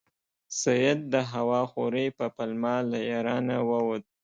سید د هوا خورۍ په پلمه له ایرانه ووت.